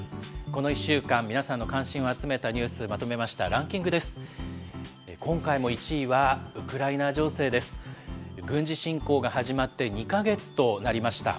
この１週間、皆さんの関心を集めたニュース、まとめました。